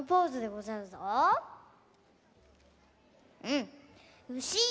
うん。